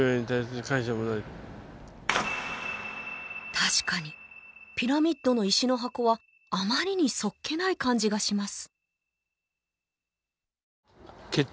確かにピラミッドの石の箱はあまりにそっけない感じがします